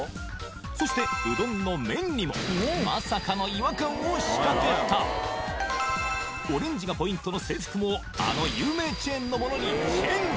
そしてうどんの麺にもまさかの違和感を仕掛けたオレンジがポイントの制服もあの有名チェーンのものにチェンジ